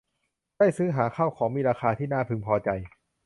ได้ซื้อหาข้าวของมีราคาที่น่าพึงพอใจ